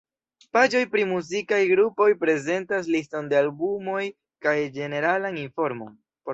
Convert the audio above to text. Paĝoj pri muzikaj grupoj prezentas liston de albumoj kaj ĝeneralan informon.